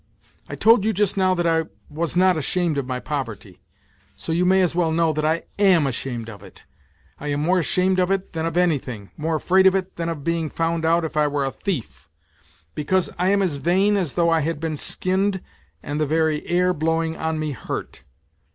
I told you just now that I was not ashamed of my poverty ; so you may as well know that I am ashamed of it ; I am more ashamed of it than of anything, more afraid of it than of being found out if I were a thief, because I am as vain as though I had been skinned and the very air blowing on me hurt.